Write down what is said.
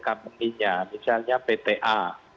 kampenginya misalnya pta